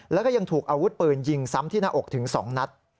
แล้วก็ยังถูกอาวุธปืนยิงซ้ำที่หน้าอกถึง๒นัด